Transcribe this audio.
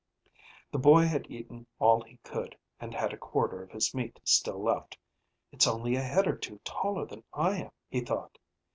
The boy had eaten all he could and had a quarter of his meat still left. It's only a head or two taller than I am, he thought.